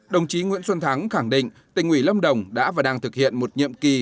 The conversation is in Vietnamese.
đồng chí nguyễn xuân thắng khẳng định tỉnh ủy lâm đồng đã và đang thực hiện một nhiệm kỳ